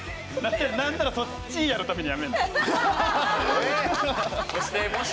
なんならそっちやるためにやめるんだよ！